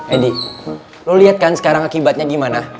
eri lo liat kan sekarang akibatnya gimana